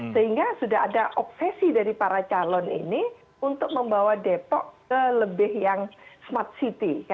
sehingga sudah ada obsesi dari para calon ini untuk membawa depok ke lebih yang smart city